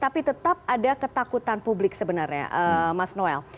tapi tetap ada ketakutan publik sebenarnya mas noel